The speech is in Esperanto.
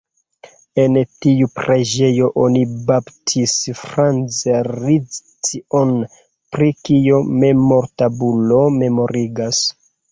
En tiu preĝejo oni baptis Franz Liszt-on, pri kio memortabulo memorigas.